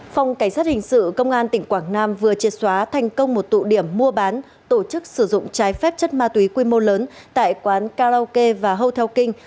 phòng cảnh sát hình sự công an tỉnh quảng nam vừa triệt xóa thành công một tụ điểm mua bán tổ chức sử dụng trái phép chất ma túy quy mô lớn tại quán karaoke và hotel king